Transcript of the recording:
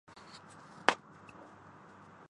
تو پھر چیخنے چلانے کا فائدہ کیا؟